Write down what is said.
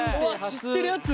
知ってるやつ！